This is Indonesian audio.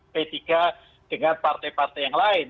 p tiga dengan partai partai yang lain